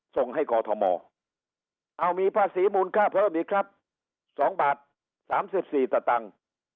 ส่งให้กอทมเอามีภาษีมูลค่าเพิ่มอีกครับ๒บาท๓๔สตังค์